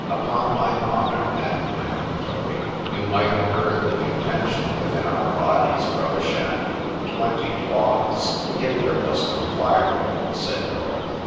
——Upon my honour, added my uncle Toby, you might have heard the contention within our bodies, brother Shandy, twenty toises.—If there was no firing, said _Yorick.